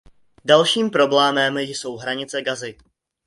Dalším problémem jsou hranice Gazy.